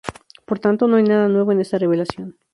Por tanto, no hay nada nuevo en esta revelación".